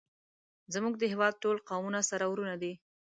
زمونږ د هیواد ټول قومونه سره ورونه دی